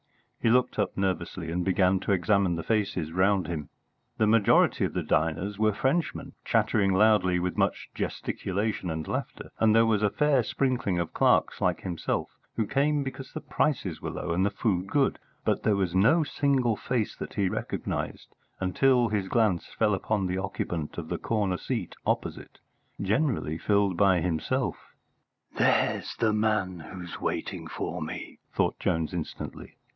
He looked up nervously and began to examine the faces round him. The majority of the diners were Frenchmen, chattering loudly with much gesticulation and laughter; and there was a fair sprinkling of clerks like himself who came because the prices were low and the food good, but there was no single face that he recognised until his glance fell upon the occupant of the corner seat opposite, generally filled by himself. "There's the man who's waiting for me!" thought Jones instantly.